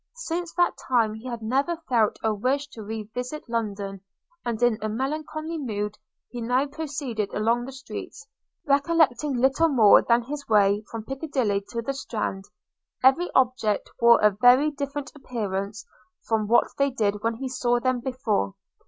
Since that time he had never felt a wish to revisit London; and in a melancholy mood he now proceeded along the streets, recollecting little more than his way from Piccadilly to the Strand. Every object wore a very different appearance from what they did when he saw them before.